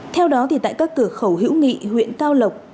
theo đó tại các cửa khẩu hữu nghị huyện cao lộc